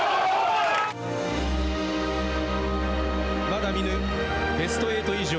まだ見ぬベスト８以上。